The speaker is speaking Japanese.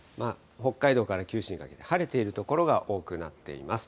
北海道から九州にかけて晴れている所が多くなっています。